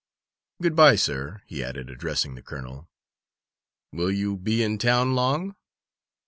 Good bye, sir," he added, addressing the colonel. "Will you be in town long?"